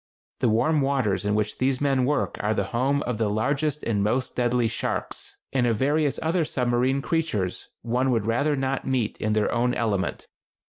The warm waters in which these men work are the home of the largest and most deadly sharks, and of various other submarine creatures one would rather not meet in their own element.